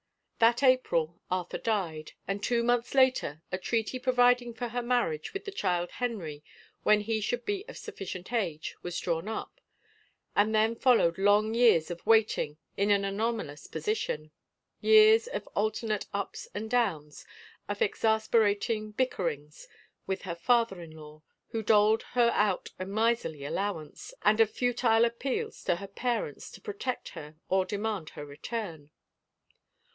That April Arthur died, and two months later, a treaty providing for her marriage with the child Henry when he should be of sufficient age was drawn up, and then followed long years of waiting in an anomalous position, years of alternate ups and downs, of exasperating bick erings with her father in law, who doled her out a miserly allowance, and of futile appeals to her parents to pro tect her or demand her return.